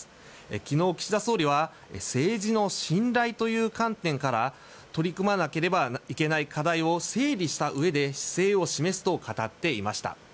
昨日、岸田総理は政治の信頼という観点から取り組まなければいけない課題を整備したうえで姿勢を示すと語っていました。